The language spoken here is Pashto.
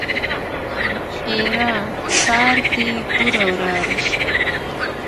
ښېرا؛ سار دې بوره وراره شي!